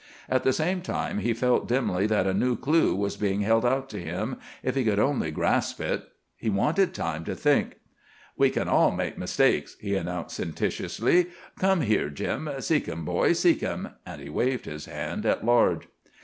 At the same time, he felt dimly that a new clue was being held out to him, if he could only grasp it. He wanted time to think. "We kin all make mistakes," he announced sententiously. "Come here, Jim. Seek 'im, boy, seek 'im." And he waved his hand at large.